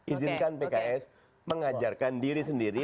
izinkan pks mengajarkan diri sendiri